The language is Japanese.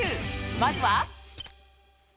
まずは。